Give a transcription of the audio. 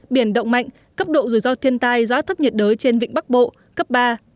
biển động mạnh cấp độ rủi ro thiên tai gió thấp nhiệt đới trên vĩnh bắc bộ cấp ba